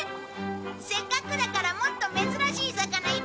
せっかくだからもっと珍しい魚いっぱい連れて帰ろう。